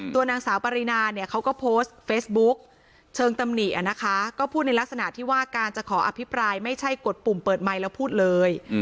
ตัวนางสาวปรินาเนี่ยเขาก็โพสต์เฟซบุ๊กเชิงตำหนินะคะก็พูดในลักษณะที่ว่าการจะขออภิปรายไม่ใช่กดปุ่มเปิดไมค์แล้วพูดเลย